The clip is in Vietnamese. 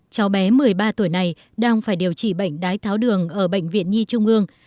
cháu bé một mươi ba tuổi này đang phải điều trị bệnh đái tháo đường ở bệnh viện nhi trung ương